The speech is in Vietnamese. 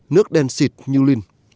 nước đen xịt như linh